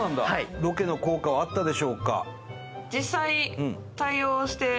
ロケの効果はあったでしょうか